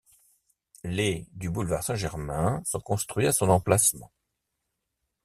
Les du boulevard Saint-Germain sont construits à son emplacement.